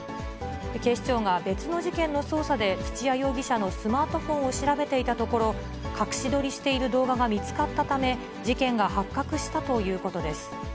警視庁が別の事件の捜査で土谷容疑者のスマートフォンを調べていたところ、隠し撮りしている動画が見つかったため、事件が発覚したということです。